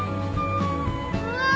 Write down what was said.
うわ！